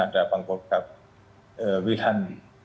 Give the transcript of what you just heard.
ada pangkotak wilhan